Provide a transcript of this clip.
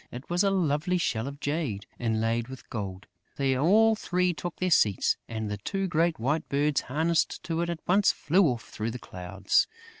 It was a lovely shell of jade, inlaid with gold. They all three took their seats; and the two great white birds harnessed to it at once flew off through the clouds.